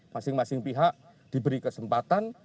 masing masing pihak diberi kesempatan